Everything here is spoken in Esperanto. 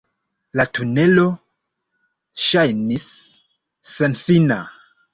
La tunelo ŝajnis senfina.